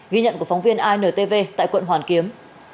ghi nhận của phóng viên intv tại quận hoàn kiếm